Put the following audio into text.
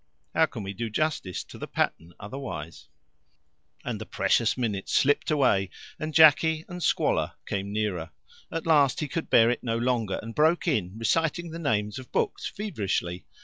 How can we do justice to the pattern otherwise? And the precious minutes slipped away, and Jacky and squalor came nearer. At last he could bear it no longer, and broke in, reciting the names of books feverishly.